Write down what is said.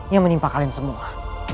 yang menimpa kalian semua